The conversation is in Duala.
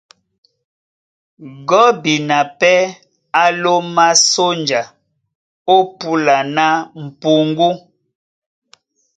Gɔ́bina pɛ́ á lómá sónja ó púla ná m̀puŋgú.